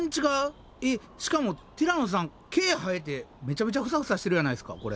えっしかもティラノさん毛生えてめちゃめちゃフサフサしてるやないですかこれ。